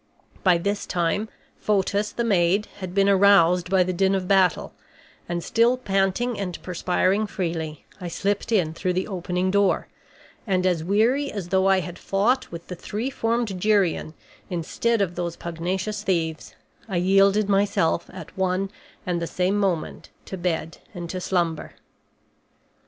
By this time Fotis, the maid, had been aroused by the din of battle, and still panting and perspiring freely I slipped in through the opening door, and, as weary as though I had fought with the three formed Geryon instead of those pugnacious thieves, I yielded myself at one and the same moment to bed and to slumber.